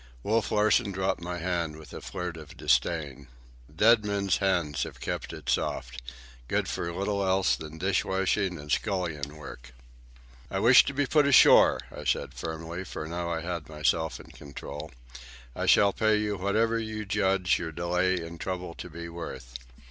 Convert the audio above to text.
Wolf Larsen dropped my hand with a flirt of disdain. "Dead men's hands have kept it soft. Good for little else than dish washing and scullion work." "I wish to be put ashore," I said firmly, for I now had myself in control. "I shall pay you whatever you judge your delay and trouble to be worth."